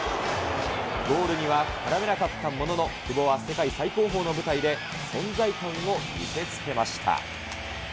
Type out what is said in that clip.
ゴールには絡めなかったものの、久保は世界最高峰の舞台で存在感を見せつけました。